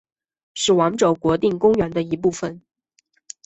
是网走国定公园的一部分。